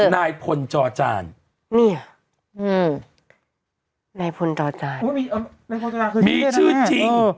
นายพลจอจานเนี่ยนายพลจอจานมีชื่อจริง